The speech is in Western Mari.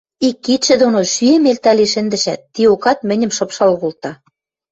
Ик кидшӹ доно шӱэм элтӓлен шӹндӹшӓт, тиокат мӹньӹм шыпшал колта.